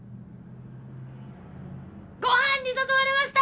ごはんに誘われました！